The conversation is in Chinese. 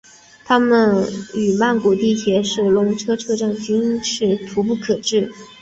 它们与曼谷地铁的是隆车站均是徙步可至。